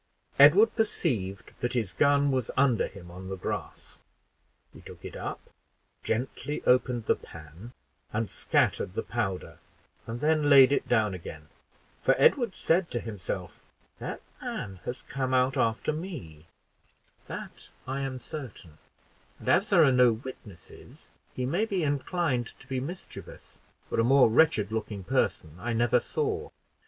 Edward perceived that his gun was under him on the grass, he took it up, gently opened the pan and scattered the powder, and then laid it down again for Edward said to himself, "That man has come out after me, that I am certain; and as there are no witnesses, he may be inclined to be mischievous, for a more wretched looking person I never saw.